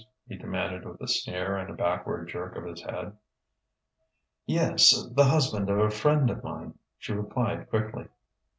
he demanded with a sneer and a backward jerk of his head. "Yes the husband of a friend of mine," she replied quickly.